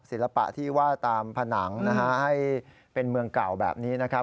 ศิลปะที่ว่าตามผนังนะฮะให้เป็นเมืองเก่าแบบนี้นะครับ